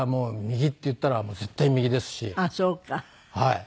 左って言ったら絶対左です。